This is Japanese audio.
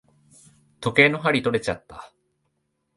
時計の針とれちゃった。